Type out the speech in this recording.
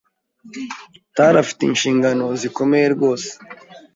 Taro afite inshingano zikomeye rwose.